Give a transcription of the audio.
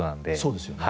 そうですよね。